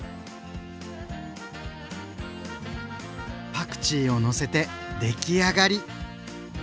パクチーをのせて出来上がり！